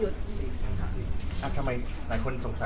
เดมิ